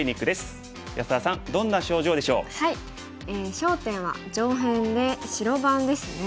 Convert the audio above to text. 焦点は上辺で白番ですね。